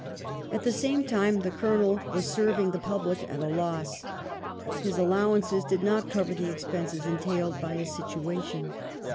At the same time the Colonel was serving the public at a loss. His allowances did not cover the ex penses entailed by his situation.